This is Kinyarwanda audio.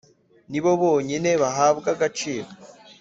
ni bo bonyine bahabwa agaciro